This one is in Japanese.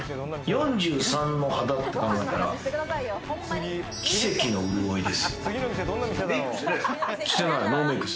４３の肌って考えたら奇跡の潤いですよね。